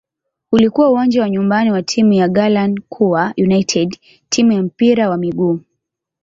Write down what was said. Ulikuwa uwanja wa nyumbani wa timu ya "Garankuwa United" timu ya mpira wa miguu.